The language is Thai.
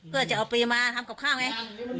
เพื่อจะเอาปรีมาทำกับข้าวไง